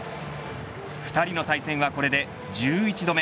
２人の対戦はこれで１１度目。